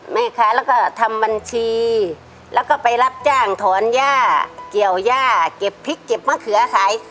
แม่ค้าแล้วก็ทำบัญชีแล้วก็ไปรับจ้างถอนย่าเกี่ยวย่าเก็บพริกเก็บมะเขือขาย